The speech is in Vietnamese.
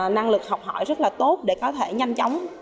năng lực học hỏi rất là tốt để có thể nhanh chóng